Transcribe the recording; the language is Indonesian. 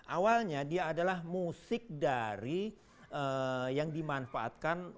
awalnya dia adalah musik dari yang dimanfaatkan